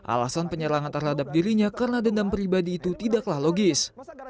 alasan penyerangan terhadap dirinya karena dendam pribadi itu tidaklah logis